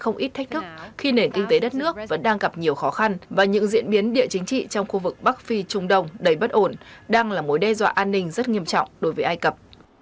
không ít thách thức khi nền kinh tế đất nước vẫn đang gặp nhiều khó khăn và những diễn biến địa chính trị trong khu vực bắc phi trung đông đầy bất ổn đang là mối đe dọa an ninh rất nghiêm trọng đối với ai cập